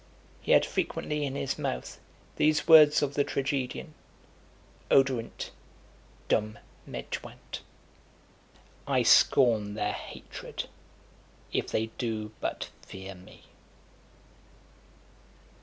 He had frequently in his mouth these words of the tragedian, Oderint dum metuant. I scorn their hatred, if they do but fear me.